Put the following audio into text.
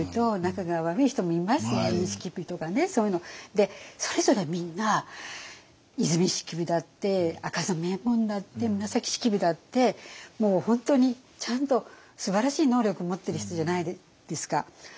でそれぞれみんな和泉式部だって赤染衛門だって紫式部だってもう本当にちゃんとすばらしい能力を持ってる人じゃないですか。